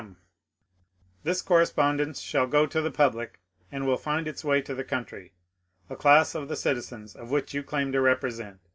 THE MASON INCIDENT 416 This correspondence shall go to the public, and will find its way to the country — a class of the citizens of which you claim to represent.